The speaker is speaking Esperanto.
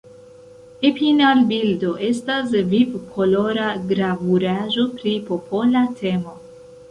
Epinal-bildo estas viv-kolora gravuraĵo pri popola temo.